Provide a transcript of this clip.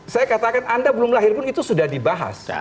saya katakan anda belum lahir pun itu sudah dibahas